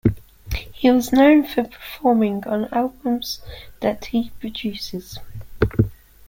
He is known for performing on albums that he produces.